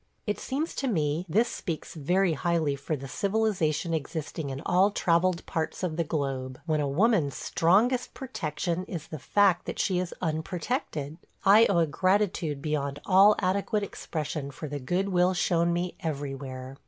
It seems to me this speaks very highly for the civilization existing in all travelled parts of the globe, when a woman's strongest protection is the fact that she is unprotected. I owe a gratitude beyond all adequate expression for the good will shown me everywhere.